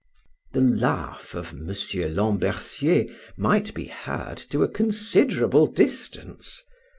The laugh of Mr. Lambercier might be heard to a considerable distance.